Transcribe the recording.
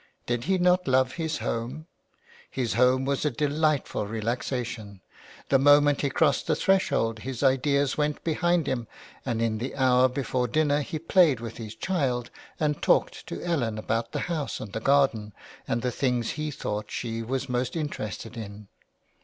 Did he not love his home ? His home was a delightful relaxation. The moment he crossed the threshold his ideas went behind him and in the hour before dinner he played with his child and talked to Ellen about the house and the garden and the things he thought she was most interested in.